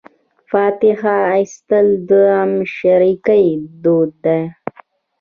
فاتحه اخیستل د غمشریکۍ دود دی.